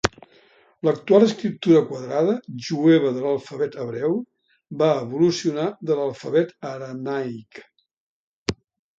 L'actual "escriptura quadrada" jueva de l'alfabet hebreu va evolucionar de l'alfabet aramaic.